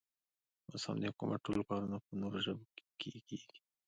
اوس هم د حکومت ټول کارونه په نورو ژبو کې کېږي.